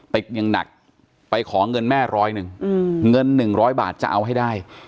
ติดยังหนักไปขอเงินแม่ร้อยหนึ่งเงินหนึ่งร้อยบาทจะเอาให้ได้